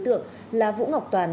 là vũ ngọc toàn và vũ ngọc toàn